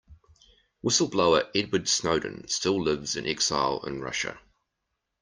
Whistle-blower Edward Snowden still lives in exile in Russia.